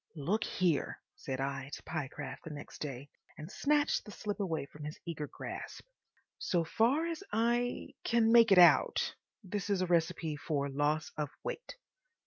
"Look here," said I to Pyecraft next day, and snatched the slip away from his eager grasp. "So far as I—can make it out, this is a recipe for Loss of Weight.